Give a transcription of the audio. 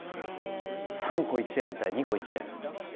３個、１円とか２個、１円。